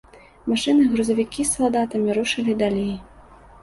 Машыны і грузавікі з салдатамі рушылі далей.